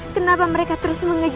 kenapa mereka terus mengejarku